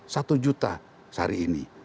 satu juta sehari ini